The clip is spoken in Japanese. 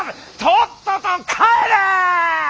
とっとと帰れ！